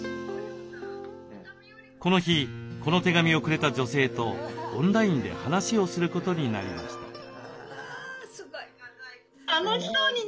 この日この手紙をくれた女性とオンラインで話をすることになりました。